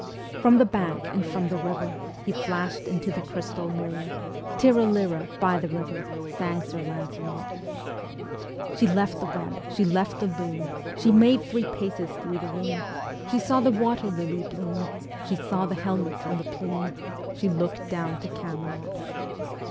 From the bank and from the river He flash'd into the crystal mirror, "Tirra lirra," by the river Ā Ā Sang Sir Lancelot. She left the web, she left the loom, She made three paces thro' the room, She saw the water lily bloom, She saw the helmet and the plume, Ā Ā She look'd down to Camelot.